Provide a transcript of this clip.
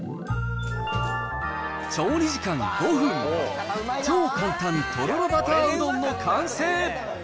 調理時間５分、超簡単とろろバターうどんの完成。